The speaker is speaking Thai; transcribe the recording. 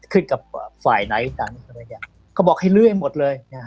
ขึ้นกับฝ่ายไหนต่างเขาบอกให้เรื่อยหมดเลย